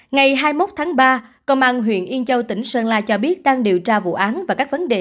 ngày hai mươi một tháng ba công an huyện yên châu tỉnh sơn la cho biết đang điều tra vụ án và các vấn đề